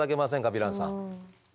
ヴィランさん。